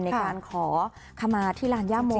ในการขอขมาที่ลานย่าโม